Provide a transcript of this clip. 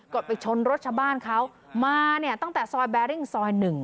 ก็ไปชนรถชาวบ้านเขามาเนี่ยตั้งแต่ซอยแบริ่งซอย๑